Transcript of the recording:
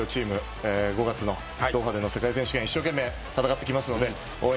５月のドーハでの世界選手権一生懸命戦ってきますので応援